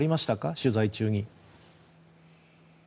取材中に。